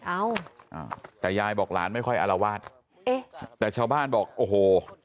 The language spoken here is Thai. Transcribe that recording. อ้าวแต่ยายบอกหลานไม่ค่อยอารวาสเอ๊ะแต่ชาวบ้านบอกโอ้โห